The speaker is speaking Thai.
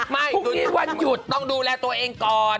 พรุ่งนี้วันหยุดต้องดูแลตัวเองก่อน